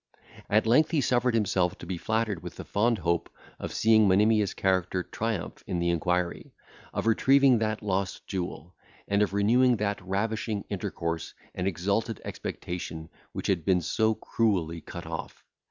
At length he suffered himself to be flattered with the fond hope of seeing Monimia's character triumph in the inquiry, of retrieving that lost jewel, and of renewing that ravishing intercourse and exalted expectation which had been so cruelly cut off.